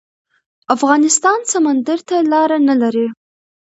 افغانستان سمندر ته لاره نلري